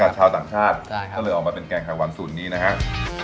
ให้กับชาวต่างชาติใช่ครับก็เลยออกมาเป็นแกงขวานสูตรนี้นะฮะ